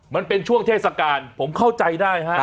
มันเป็นช่วงเทศกาลผมเข้าใจได้ฮะ